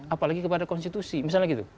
apalagi kepada konstitusi misalnya gitu